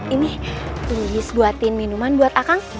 ini bis buatin minuman buat akang